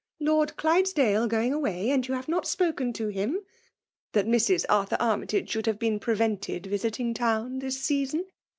— ^Lord Clydesdale going away, and you have not spoken to him !)— that Mrs. Arthur Armytage should have been prevented visiting town this season.